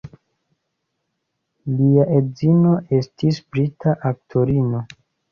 Lia edzino estis brita aktorino.